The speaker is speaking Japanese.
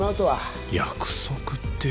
約束って。